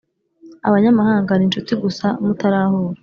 abanyamahanga ni inshuti gusa mutarahura